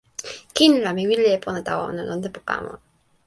kin la mi wile e pona tawa ona lon tenpo kama.